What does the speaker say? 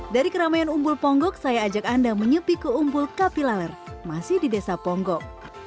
dari keramaian umbul ponggok saya ajak anda menyepi ke umbul kapilaler masih di desa ponggok